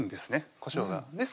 こしょうがです